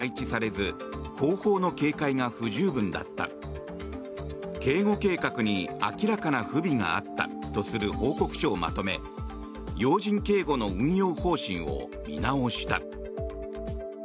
警察庁は警備員が適切に配置されず後方の警戒が不十分だった警護計画に明らかな不備があったとする報告書をまとめ要人警護の運用方針を見直した。